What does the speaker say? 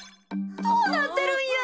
どうなってるんや？